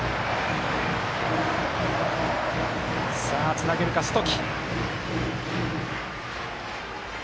つなげるか、寿時。